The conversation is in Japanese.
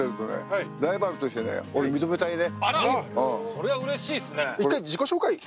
それはうれしいっすね。